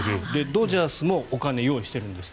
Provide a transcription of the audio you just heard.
ドジャースもお金を用意している。